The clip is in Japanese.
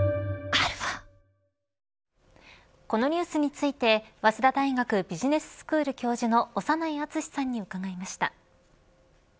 このニュースについて早稲田大学ビジネススクール教授の長内厚さんに伺いました。